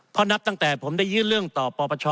เพราะนับตั้งแต่ผมได้ยื่นเรื่องต่อปปช